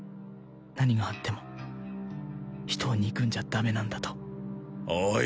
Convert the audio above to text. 何があっても人を憎んじゃダメなんだとおい